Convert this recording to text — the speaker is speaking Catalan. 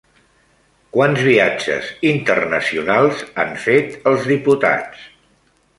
Quants viatges internacionals han fet els diputats?